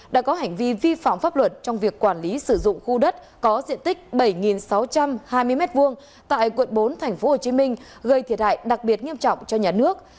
đã có hành vi vi phạm pháp luật trong việc quản lý sử dụng khu đất có diện tích bảy sáu trăm hai mươi m hai tại quận bốn tp hcm gây thiệt hại đặc biệt nghiêm trọng cho nhà nước